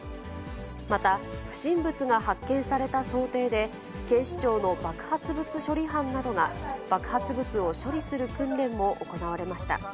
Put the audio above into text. また不審物が発見された想定で、警視庁の爆発物処理班などが爆発物を処理する訓練も行われました。